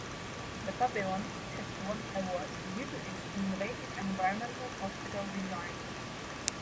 The pavilion has won awards due to its innovative environmental hospital designs.